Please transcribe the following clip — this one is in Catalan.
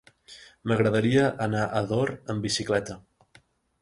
M'agradaria anar a Ador amb bicicleta.